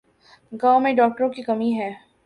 گاؤں میں ڈاکٹروں کی کمی ہے